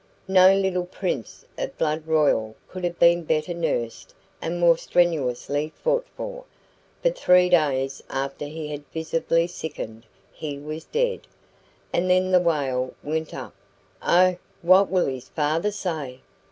No little prince of blood royal could have been better nursed and more strenuously fought for; but three days after he had visibly sickened he was dead. And then the wail went up, "Oh! what will his father say?"